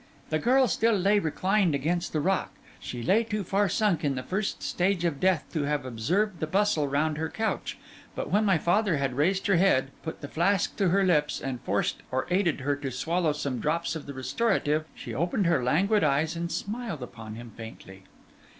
The girl still lay reclined against the rock; she lay too far sunk in the first stage of death to have observed the bustle round her couch; but when my father had raised her head, put the flask to her lips, and forced or aided her to swallow some drops of the restorative, she opened her languid eyes and smiled upon him faintly.